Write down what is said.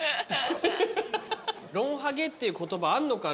ロンハゲっていう言葉あんのかな？